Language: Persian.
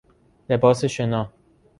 لباس شنا